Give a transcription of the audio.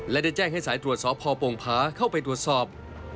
และได้แจ้งให้สายตรวจสอบพอโป่งผาเข้าไปตรวจสอบ